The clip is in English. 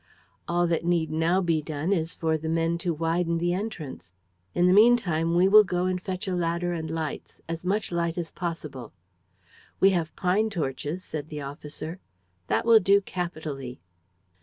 "All that need now be done is for the men to widen the entrance. In the meantime, we will go and fetch a ladder and lights: as much light as possible." "We have pine torches," said the officer. "That will do capitally."